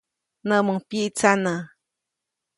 Näʼmuŋ pyiʼtsanä.